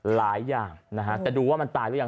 หลายอย่างนะฮะแต่ดูว่ามันตายหรือยัง